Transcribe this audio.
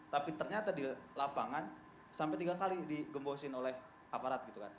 tapi ternyata di lapangan sampai tiga kali digembosin oleh aparat gitu kan